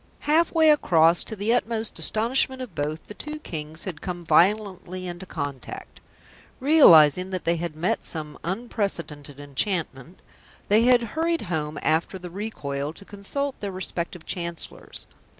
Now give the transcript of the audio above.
Half way across, to the utmost astonishment of both, the two Kings had come violently into contact. Realising that they had met some unprecedented enchantment, they had hurried home after the recoil to consult their respective Chancellors.